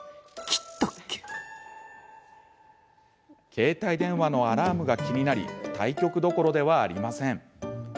携帯電話のアラームが気になり対局どころではありません。